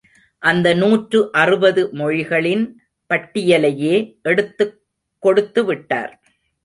அந்த நூற்று அறுபது மொழிகளின் பட்டியலையே எடுத்துக் கொடுத்துவிட்டார்.